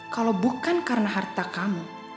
kalau bukan karena harta kamu